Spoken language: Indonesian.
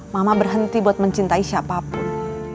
mama berhenti buat mencintai siapapun